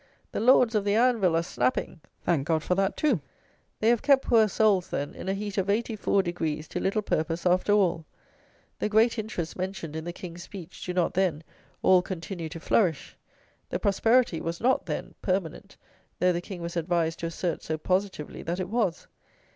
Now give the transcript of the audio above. The Lords of the Anvil are snapping! Thank God for that too! They have kept poor souls, then, in a heat of 84 degrees to little purpose after all. The "great interests" mentioned in the King's Speech do not, then, all continue to flourish! The "prosperity" was not, then, "permanent," though the King was advised to assert so positively that it was!